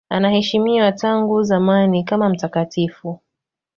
Anaheshimiwa tangu zamani kama mtakatifu.